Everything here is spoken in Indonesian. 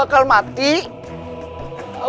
aku akan menangkapmu